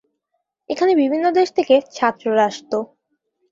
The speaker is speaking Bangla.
এখানে বিভিন্ন দেশ থেকে ছাত্ররা আসতো।